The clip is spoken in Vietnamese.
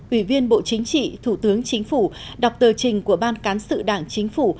ủy viên bộ chính trị thủ tướng chính phủ đọc tờ trình của ban cán sự đảng chính phủ